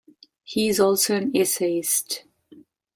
He is also an essayist.